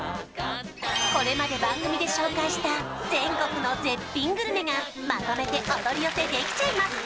これまで番組で紹介した全国の絶品グルメがまとめてお取り寄せできちゃいます！